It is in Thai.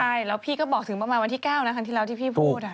ใช่แล้วพี่ก็บอกถึงประมาณวันที่๙นะครั้งที่แล้วที่พี่พูด